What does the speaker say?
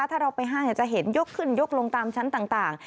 ถ้าเราไปห้างจะเห็นยกขึ้นยกลงตามชั้นต่าง